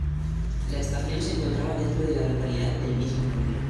La estación se encontraba dentro de la localidad del mismo nombre.